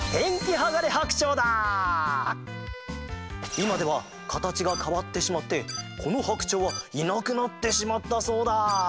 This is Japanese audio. いまではかたちがかわってしまってこのハクチョウはいなくなってしまったそうだ。